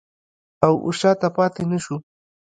او شاته پاتې نشو.